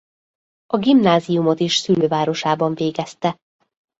A gimnáziumot is szülővárosában végezte.